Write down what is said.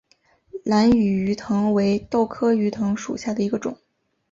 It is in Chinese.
兰屿鱼藤为豆科鱼藤属下的一个种。